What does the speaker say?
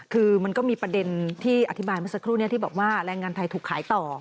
คือมันก็มีประเด็นที่อธิบายเมื่อสักครู่นี้ที่บอกว่าแรงงานไทยถูกขายต่อ